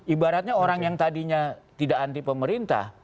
ibaratnya orang yang tadinya tidak anti pemerintah